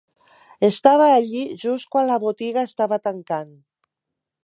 Estava allí just quan la botiga estava tancant.